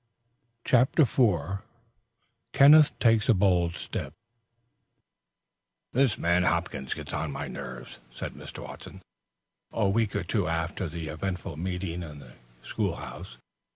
CHAPTER IV KENNETH TAKES A BOLD STEP "This man Hopkins gets on my nerves," said Mr. Watson, a week or two after the eventful meeting in the school house.